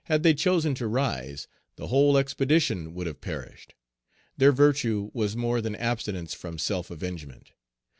Had they chosen to rise, the whole expedition would have perished. Their virtue was more than abstinence from self avengement.